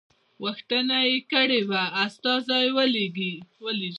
غوښتنه یې کړې وه استازی ولېږي.